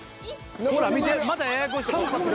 ［ほら見てまたややこしいとこ］